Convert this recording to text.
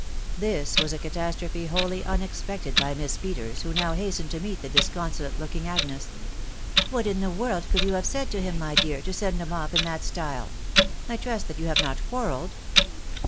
This was a catastrophe wholly unexpected by Miss Peters, who now hastened to meet the disconsolate looking Agnes. " What in the world can you have said to him, my dear, to send him off in that style ? I trust that you have not quar relled."